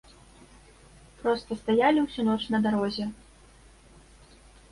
Проста стаялі ўсю ноч на дарозе.